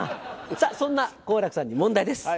さぁそんな好楽さんに問題です。